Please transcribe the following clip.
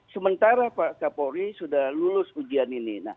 sementara pak kapolri sudah lulus ujian ini